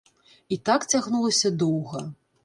І так цягнулася доўга.